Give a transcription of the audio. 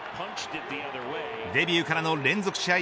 デビューからの連続試合